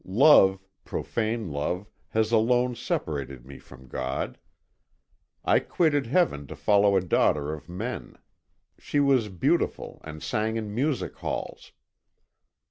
Love, profane love has alone separated me from God. I quitted heaven to follow a daughter of men. She was beautiful and sang in music halls."